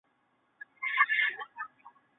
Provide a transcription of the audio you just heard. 用户自身亦可以修改其他国人所写的文章。